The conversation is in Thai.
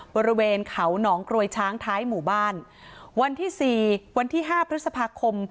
บริเวณเขาหนองกรวยช้างท้ายหมู่บ้านวันที่สี่วันที่ห้าพฤษภาคม